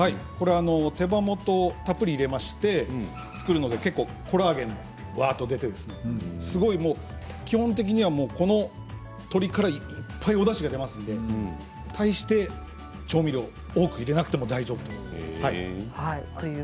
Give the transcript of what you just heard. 手羽元をたっぷり入れまして作るので結構コラーゲンが、わあっと出て基本的には鶏からいっぱいおだしが出ますので大して調味料を多く入れなくても大丈夫。